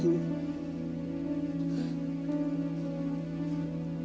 kamu masih menjadi istriku